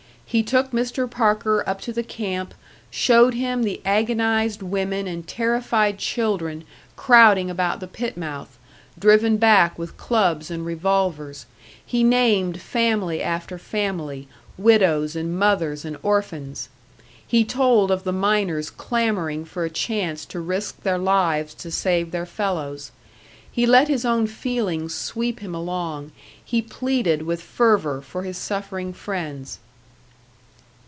He took Mr. Parker up to the camp, showed him the agonised women and terrified children crowding about the pit mouth, driven back with clubs and revolvers. He named family after family, widows and mothers and orphans. He told of the miners clamouring for a chance to risk their lives to save their fellows. He let his own feelings sweep him along; he pleaded with fervour for his suffering friends.